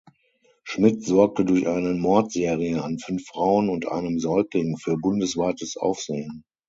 Schmidt sorgte durch eine Mordserie an fünf Frauen und einem Säugling für bundesweites Aufsehen.